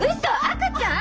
赤ちゃん！？